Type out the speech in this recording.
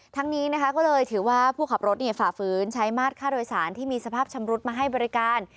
ทั้งนี้นะคะก็เลยถือว่าผู้ขับรถฝ่าฝืนใช้มาตรค่าโดยสารที่มีสภาพชำรุดมาให้บริการ